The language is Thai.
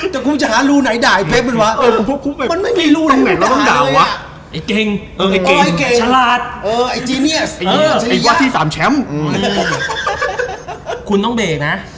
แต่กูจะหารู้ไหนด่าไอ้เพปมันวะ